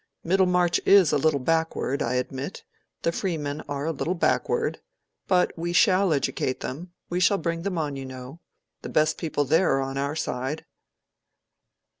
Middlemarch is a little backward, I admit—the freemen are a little backward. But we shall educate them—we shall bring them on, you know. The best people there are on our side."